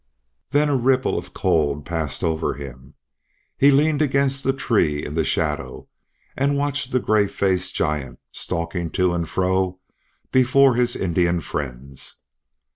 Then a ripple of cold passed over him. He leaned against a tree in the shadow and watched the gray faced giant stalking to and fro before his Indian friends.